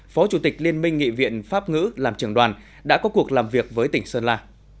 phó chủ tịch liên minh nghị viện pháp ngữ làm trưởng đoàn đã có cuộc làm việc với tỉnh sơn la